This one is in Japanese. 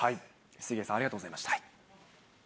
杉江さん、ありがとうございました。